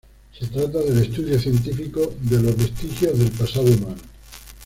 Se trata del estudio científico de los vestigios del pasado humano.